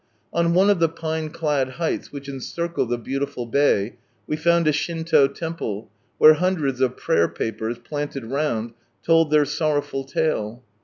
On one of the pine clad heights which encircle the beautiful bay, we found a Shinto temple, where hundreds of prayer papers, planted round, told their sorrowful tale.